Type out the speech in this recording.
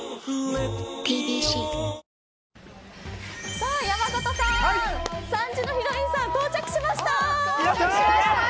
さあ、山さん３時のヒロインさん到着しました。